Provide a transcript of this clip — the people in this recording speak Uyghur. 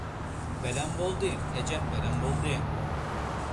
بەلەن بولدى، ئەجەپ بەلەن بولدى!